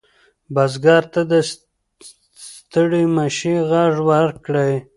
بزګر ته د ستړي مشي غږ وکړئ.